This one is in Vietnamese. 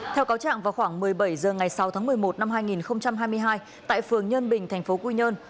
theo cáo trạng vào khoảng một mươi bảy h ngày sáu tháng một mươi một năm hai nghìn hai mươi hai tại phường nhân bình tp quy nhơn